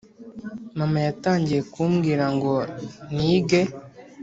mama yatangiye kumbwira ngo nige